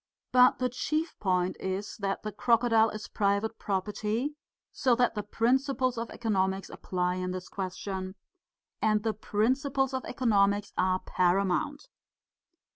But the chief point is that the crocodile is private property, so that the principles of economics apply in this question. And the principles of economics are paramount.